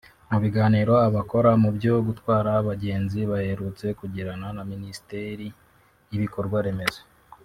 Mu biganiro abakora mu byo gutwara abagenzi baherutse kugirana na Minisiteri y’Ibikorwaremezo